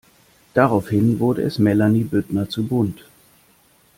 Daraufhin wurde es Melanie Büttner zu bunt.